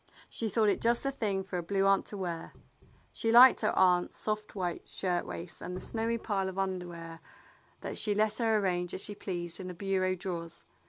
She thought it just the thing for a Blue Aunt to wear. She liked her aunt's soft white shirt waists and the snowy pile of underwear that she let her arrange as she pleased in the bureau drawers.